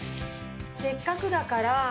せっかくだから。